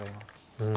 うん。